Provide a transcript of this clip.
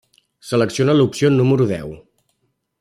Selecciona l'opció número deu.